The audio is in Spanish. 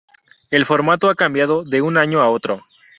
El formato ha cambiado de un año a otro.